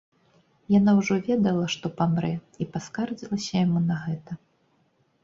Яна ўжо ведала, што памрэ, і паскардзілася яму на гэта.